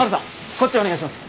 こっちお願いします。